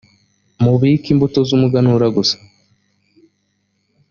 mubike imbuto zumuganura gusa.